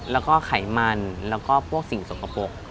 แล้วก็ไขมันแล้วก็พวกสิ่งสกปรก